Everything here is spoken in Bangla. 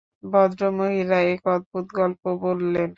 ভদ্রমহিলা এক অদ্ভুত গল্প বললেন।